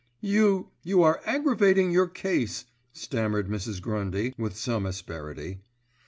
"You—you are aggravating your case, stammered Mrs. Grundy, with some asperity.